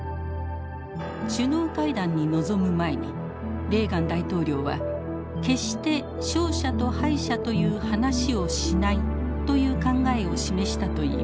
首脳会談に臨む前にレーガン大統領は決して勝者と敗者という話をしないという考えを示したといいます。